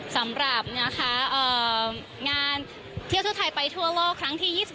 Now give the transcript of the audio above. สำหรับงานเที่ยวทั่วไทยไปทั่วโลกครั้งที่๒๓